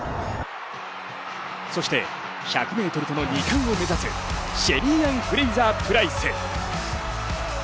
そして１００ｍとの２冠を目指すシェリーアン・フレイザー・プライス。